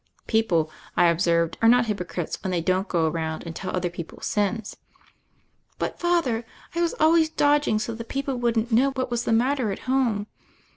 "People," I observed, "are not hypocrites when they don't go around and tell other peo ple's sins." "But, Father, I was always dodging so that Eeople wouldn't know what was the matter at ome.